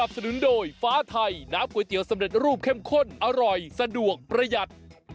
สนุนโดยฟ้าไทยน้ำก๋วยเตี๋ยสำเร็จรูปเข้มข้นอร่อยสะดวกประหยัด